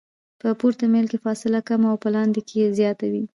په پورته میل کې فاصله کمه او په لاندې کې زیاته وي